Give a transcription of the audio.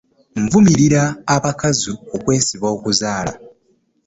Nvumirira abakazi okwesiba okuzaala.